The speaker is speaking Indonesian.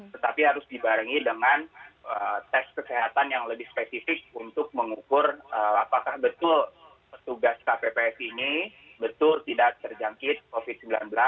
tetapi harus dibarengi dengan tes kesehatan yang lebih spesifik untuk mengukur apakah betul petugas kpps ini betul tidak terjangkit covid sembilan belas